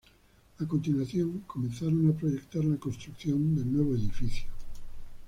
A continuación comenzaron a proyectar la construcción del nuevo edificio.